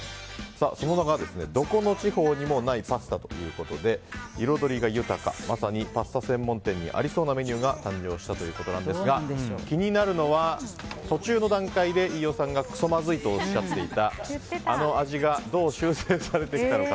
その名がどこの地方にもないパスタということで彩りが豊かまさにパスタ専門店にありそうなメニューが誕生したということですが気になるのが途中の段階で飯尾さんがくそまずいとおっしゃっていた